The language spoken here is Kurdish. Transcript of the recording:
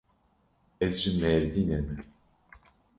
Ez ji Mêrdînê me.